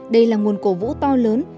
đây là nguồn cổ vũ to lớn